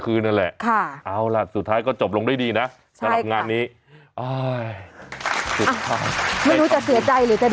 เริ่มวันที่๑มิถุนายนที่ผ่านมานี้นะคะ